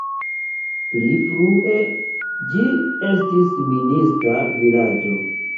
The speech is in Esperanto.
Pli frue ĝi estis minista vilaĝo.